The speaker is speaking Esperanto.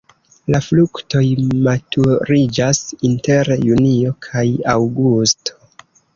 La fruktoj maturiĝas inter junio kaj aŭgusto.